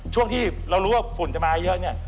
ช่วงที่เรารู้ว่าฝุ่นจะมาเยอะเนี่ย